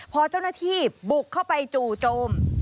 พอเจ้าหน้าที่บุกเข้าไปจู่โจม